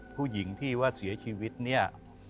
ผู้หญิงที่ว่าเสียชีวิตเนี่ย